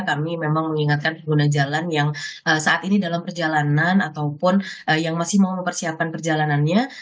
kami memang mengingatkan pengguna jalan yang saat ini dalam perjalanan ataupun yang masih mau mempersiapkan perjalanannya